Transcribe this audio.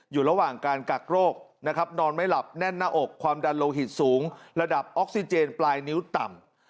อยู่ระหว่างการกักโรคนะครับนอนไม่หลับแน่นหน้าอกความดันโลหิตสูงระดับออกซิเจนปลายนิ้วต่ำ